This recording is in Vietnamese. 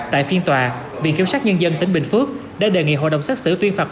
tại phiên tòa viện kiểm sát nhân dân tỉnh bình phước đã đề nghị hội đồng xác xử tuyên phạt